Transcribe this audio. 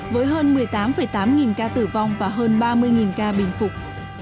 với hơn một mươi tám tám nghìn ca tử vong và hơn ba mươi ca bình phục